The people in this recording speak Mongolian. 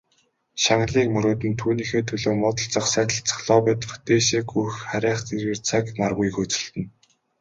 Шагналыг мөрөөднө, түүнийхээ төлөө муудалцах, сайдалцах, лоббидох, дээшээ гүйх харайх зэргээр цаг наргүй хөөцөлдөнө.